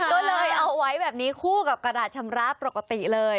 ก็เลยเอาไว้แบบนี้คู่กับกระดาษชำระปกติเลย